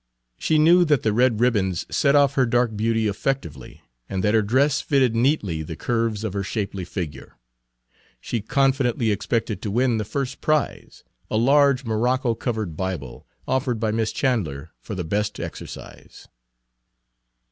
She knew that the red ribbons set off her dark beauty effectively, and that her dress fitted neatly the curves of her shapely figure. She confidently expected to win the Page 158 first prize, a large morocco covered Bible, offered by Miss Chandler for the best exercise.